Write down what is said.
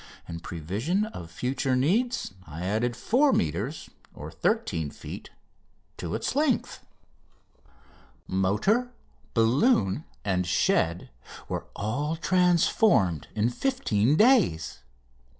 In prevision of future needs I added 4 metres (13 feet) to its length. Motor, balloon, and shed were all transformed in fifteen days.